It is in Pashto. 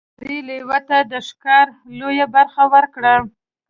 زمري لیوه ته د ښکار لویه برخه ورکړه.